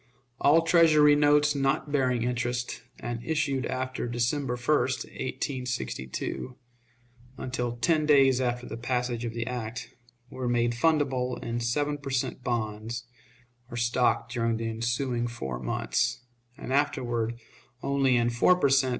All Treasury notes not bearing interest, and issued after December 1, 1862, until ten days after the passage of the act, were made fundable in seven per cent. bonds or stock during the ensuing four months, and afterward only in four per cent.